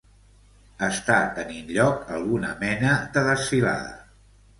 Està tenint lloc alguna mena de desfilada.